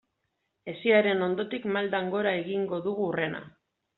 Hesiaren ondotik maldan gora egingo dugu hurrena.